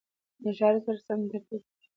له شرایطو سره سم ترتیب کړي